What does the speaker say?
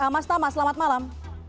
mas thama selamat malam